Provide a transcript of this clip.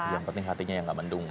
yang penting hatinya yang gak mendung